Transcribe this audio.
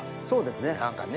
そうですね。